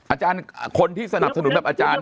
อาจารย์คนที่สนับสนุนแบบอาจารย์